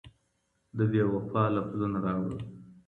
د بېوفا لفظونه راوړل